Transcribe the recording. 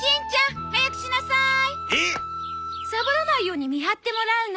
サボらないように見張ってもらうの。